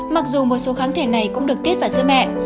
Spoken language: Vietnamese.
mặc dù một số kháng thể này cũng được tiết vào giữa mẹ